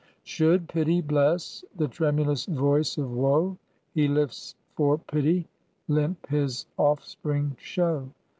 Should pity bless the tremulous voice of woe He lifts for pity, limp his offspring show.